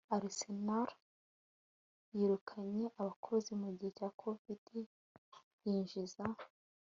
Arsenal yirukanye abakozi mugihe COVID yinjiza